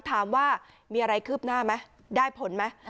ถามว่ามีอะไรคืบหน้ามั้ยได้ผลมั้ย